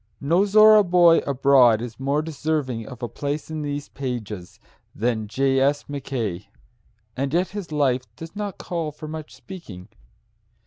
No Zorra boy abroad is more deserving of a place in these pages than J. S. Mackay, and yet his life does not call for much speaking.